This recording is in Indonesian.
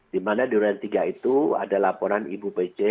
di mana di durian tiga itu ada laporan ibu pece